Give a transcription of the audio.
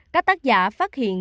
các tác giả phát hiện